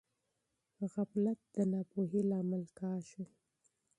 غفلت د ناپوهۍ سبب ګرځي.